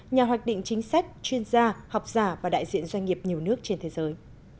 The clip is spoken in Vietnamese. nhà hoạch định chính sách chuyên gia học giả và đại diện doanh nghiệp nhiều nước trên thế giới